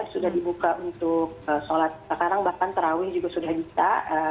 sudah dibuka untuk sholat sekarang bahkan terawih juga sudah bisa